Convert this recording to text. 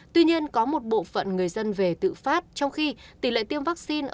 tuy nhiên có một bộ phận người dân về tự phát trong khi tỷ lệ tiêm vaccine